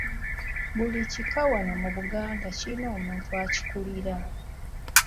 Buli kika wano mu Buganda kirina omutaka akikulira.